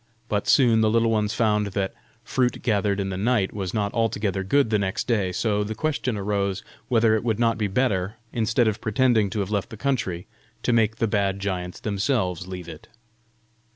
But soon the Little Ones found that fruit gathered in the night was not altogether good the next day; so the question arose whether it would not be better, instead of pretending to have left the country, to make the bad giants themselves leave it.